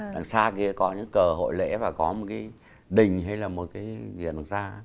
đằng xa kia có những cờ hội lễ và có một cái đình hay là một cái gì đó đằng xa